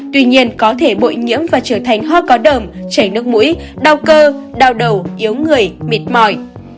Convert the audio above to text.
tuy nhiên có thể bội nhiễm và trở thành ho có đờm chảy nước mũi đau cơ đau đầu yếu người mệt mỏi